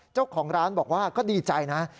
เจ้าของร้านบอกว่าก็ดีใจนะ